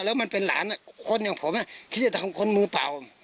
แล้วมันเป็นหลานคนอย่างผมคิดจะทำคนมือเปล่า